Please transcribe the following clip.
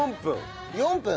４分？